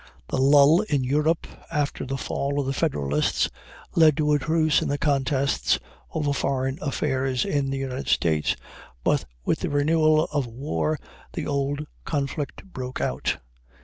The lull in Europe, after the fall of the Federalists, led to a truce in the contests over foreign affairs in the United States, but with the renewal of war the old conflict broke out.